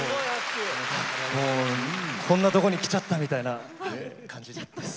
もうこんなとこに来ちゃったみたいな感じです。